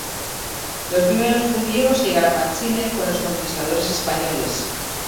Los primeros judíos llegaron a Chile con los conquistadores españoles.